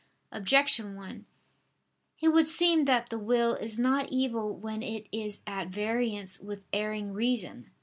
Objection 1: It would seem that the will is not evil when it is at variance with erring reason.